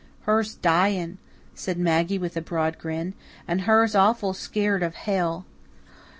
"Her's dying," said Maggie with a broad grin. "And her's awful skeered of hell.